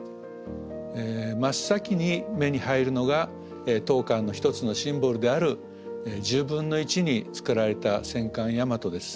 真っ先に目に入るのが当館の一つのシンボルである１０分の１に造られた戦艦大和です。